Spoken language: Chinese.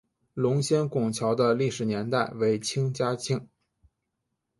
龙仙拱桥的历史年代为清嘉庆。